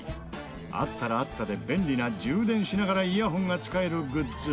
あったらあったで便利な充電しながらイヤホンが使えるグッズ。